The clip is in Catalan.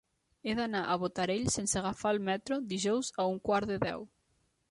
He d'anar a Botarell sense agafar el metro dijous a un quart de deu.